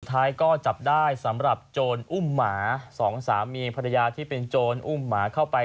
ท้ายก็จับได้สำหรับโจรอุ้มหมาสองสามีภรรยาที่เป็นโจรอุ้มหมาเข้าไป